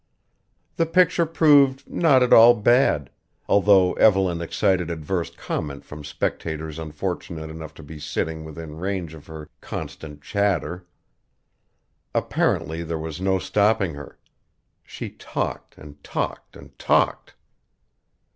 The picture proved not at all bad, although Evelyn excited adverse comment from spectators unfortunate enough to be sitting within range of her constant chatter. Apparently there was no stopping her. She talked and talked and talked.